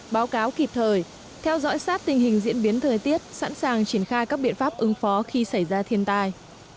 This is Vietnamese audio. báo cáo kịp thời theo dõi sát tình hình diễn biến thời tiết sẵn sàng triển khai các biện pháp ứng phó khi xảy ra thiên tai